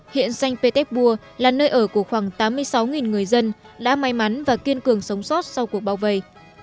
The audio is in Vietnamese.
hiện xanh petersburg là nơi ở của khoảng tám mươi sáu người dân đã may mắn và kiên cường sống sót sau cuộc bao vây